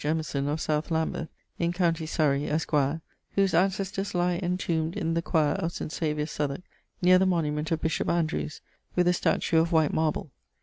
Emerson, of South Lambeth, in com. Surrey, esqre, whose ancestors lye entombed in the choeur of St. Savior's, Southwark, neer the monument of bishop Andrewes, with a statue of white marble.